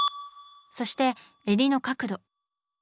そして襟の角度。